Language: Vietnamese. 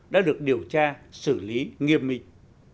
đã được điều tra xử lý nghiêm minh